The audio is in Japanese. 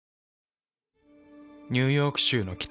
ニューヨーク州の北。